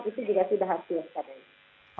itu juga sudah hasil